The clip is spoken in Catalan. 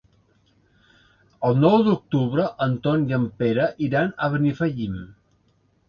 El nou d'octubre en Ton i en Pere iran a Benifallim.